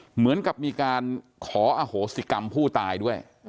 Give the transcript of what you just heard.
เหมือนกับมีการขออโหสิกรรมผู้ตายด้วย